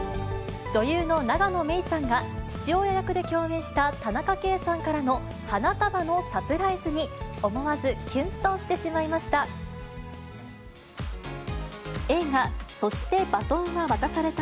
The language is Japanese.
女優の永野芽郁さんが、父親役で共演した田中圭さんからの花束のサプライズに、思わずきゅんとしてしまいました。